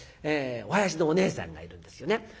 お囃子のおねえさんがいるんですよね。